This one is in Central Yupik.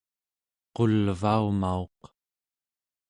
qulvaumauq